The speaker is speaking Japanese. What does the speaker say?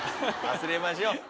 忘れましょう。